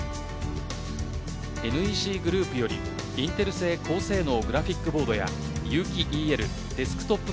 ＮＥＣグループよりインテル製高性能グラフィックボードや有機ＥＬデスクトップ